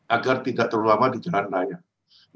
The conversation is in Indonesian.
agar tidak terlalu lama di jalan layang